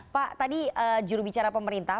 pak tadi jurubicara pemerintah